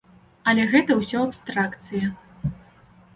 Але гэта ўсё абстракцыя.